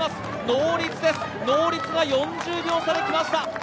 ノーリツで４０秒差で来ました。